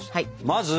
まず？